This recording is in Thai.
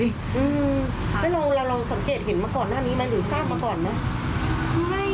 แล้วเราลองสังเกตเห็นมาก่อนหน้านี้ไหมหรือทราบมาก่อนไหม